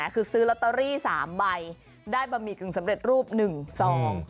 คือซื้อลอตเตอรี่๓ใบได้บะหมี่กึ่งสำเร็จรูป๑ซอง